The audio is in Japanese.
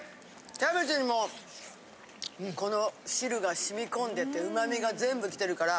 キャベツにもこの汁が染み込んでて旨味が全部きてるから。